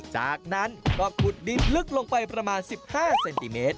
จากนั้นก็ขุดดินลึกลงไปประมาณ๑๕เซนติเมตร